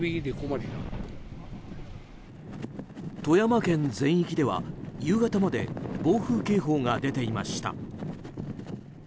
富山県全域では、夕方まで暴風警報が出ていました。